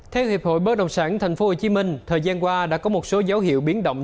theo hiệp hội bất đồng sản tp hcm thời gian qua đã có một số dấu hiệu biến động